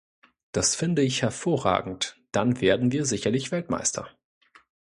Das finde ich hervorragend, dann werden wir sicherlich Weltmeister.